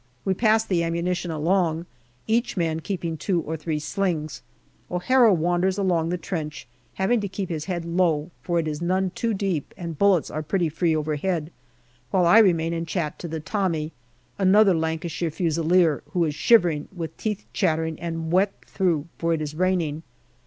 We pass the ammunition along, each man keeping two or three slings. O'Hara wanders along the trench, having to keep his head low, for it is none too deep and bullets are pretty free overhead, while I remain and chat to the Tommy, another Lancashire Fusilier, who is shivering, with teeth chattering and wet through, for it is raining.